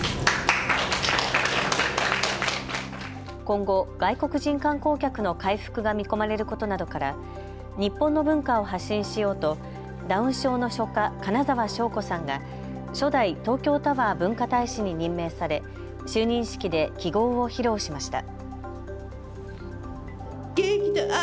今後、外国人観光客の回復が見込まれることなどから日本の文化を発信しようとダウン症の書家、金澤翔子さんが初代・東京タワー文化大使に任命され就任式で揮ごうを披露しました。